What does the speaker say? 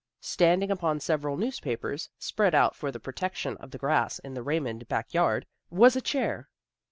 Standing upon several newspapers, spread out for the protection of the grass in the Ray mond back yard, was a chair.